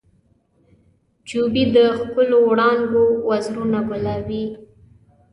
جوپې د ښکلو وړانګو وزرونه ګلابي